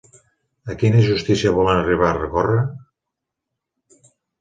A quina justícia volen arribar a recórrer?